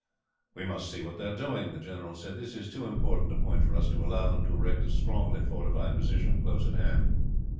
"We must see what they are doing," the general said. "This is too important a point for us to allow them to erect a strongly fortified position, close at hand."